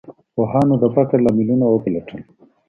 پوهانو د فقر لاملونه وپلټل.